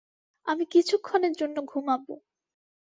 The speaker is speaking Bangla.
আমি কিছুক্ষণের জন্য ঘুমাবো।